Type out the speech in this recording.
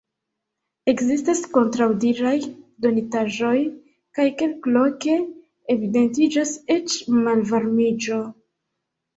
Ekzistas kontraŭdiraj donitaĵoj, kaj kelkloke evidentiĝas eĉ malvarmiĝo.